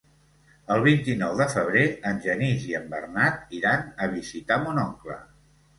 El vint-i-nou de febrer en Genís i en Bernat iran a visitar mon oncle.